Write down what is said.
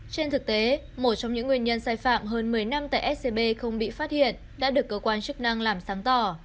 trên thực tế một trong những nguyên nhân sai phạm hơn một mươi năm tại scb không bị phát hiện đã được cơ quan chức năng làm sáng tỏ